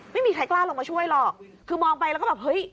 ไม่มีใครกล้าลงมาช่วยหรอกคือมองไปแล้วก็แบบเฮ้ย